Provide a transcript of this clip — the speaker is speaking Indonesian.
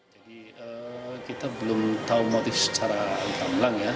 jadi kita belum tahu motif secara langsung ya